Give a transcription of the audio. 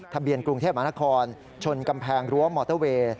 กรุงเทพมหานครชนกำแพงรั้วมอเตอร์เวย์